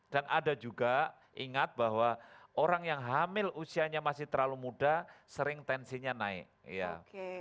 dan ada juga ingat bahwa orang yang hamil usianya masih terlalu muda sering tensinya naik